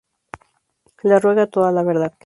Le ruega toda la verdad.